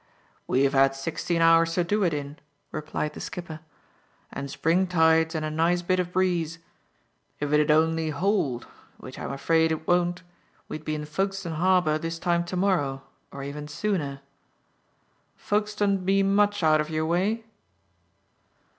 "We've had sixteen hours to do it in," replied the skipper, "and spring tides and a nice bit of breeze. If it 'ud only hold which I'm afraid it won't we'd be in Folkestone Harbour this time to morrow, or even sooner. Folkestone be much out of your way?"